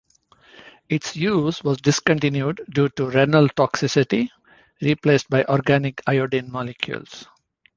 Its use was discontinued due to renal toxicity, replaced by organic iodine molecules.